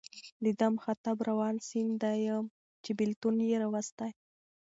د ده مخاطب روان سیند دی چې بېلتون یې راوستی.